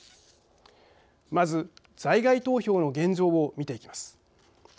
まず在外投票の現状を見ていきます。